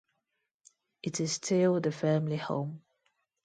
It is still the family home.